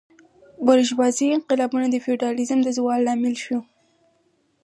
بورژوازي انقلابونه د فیوډالیزم د زوال لامل شول.